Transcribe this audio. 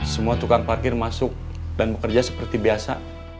semua tukang parkir masuk dan bekerja seperti biasa